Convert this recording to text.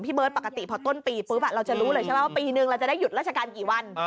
เบิร์ตปกติพอต้นปีปุ๊บเราจะรู้เลยใช่ไหมว่าปีนึงเราจะได้หยุดราชการกี่วัน